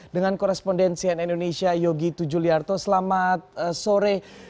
dengan korespondensi n indonesia yogi tujuliarto selamat sore